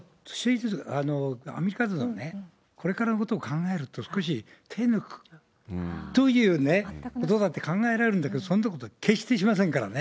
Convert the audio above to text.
アメリカでもね、これからのことを考えると、少し手を抜くということだって考えられるんだけど、そんなこと決してしませんからね。